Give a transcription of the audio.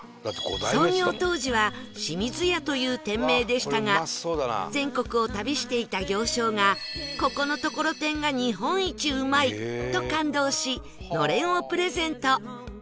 創業当時は清水屋という店名でしたが全国を旅していた行商がここのトコロテンが日本一うまいと感動しのれんをプレゼント